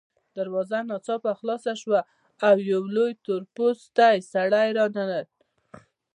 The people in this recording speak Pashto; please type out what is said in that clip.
دروازه ناڅاپه خلاصه شوه او یو لوی تور پوستکی سړی راننوت